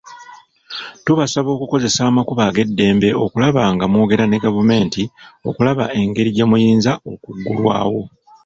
Tubasaba okukozesa amakubo ag'eddembe okulaba nga mwogera ne gavumenti okulaba egeri gyemuyinza okuggulwawo.